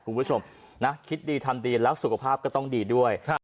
คุณผู้ชมนะคิดดีทำดีแล้วสุขภาพก็ต้องดีด้วย